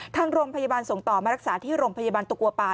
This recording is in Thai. ทางโรงพยาบาลส่งต่อมารักษาที่โรงพยาบาลตะกัวป่า